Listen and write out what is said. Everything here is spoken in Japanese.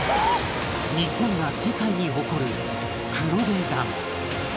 日本が世界に誇る黒部ダム